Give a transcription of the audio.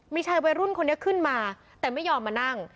มีชายวัยรุ่นคนนี้ขึ้นมาแต่ไม่ยอมมานั่ง